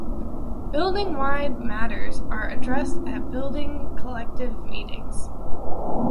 Building-wide matters are addressed at building collective meetings.